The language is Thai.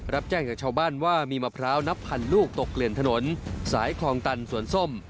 รับแจ้งจากชาวบ้านว่ามีมะพร้าวนับพันลูกตกเกลื่อนถนนสายคลองตันสวนส้ม